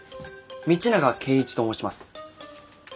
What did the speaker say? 道永圭一と申します。